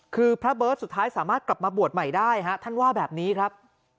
คือพระเบิร์ตสุดท้ายสามารถกลับมาบวชใหม่ได้ฮะท่านว่าแบบนี้ครับ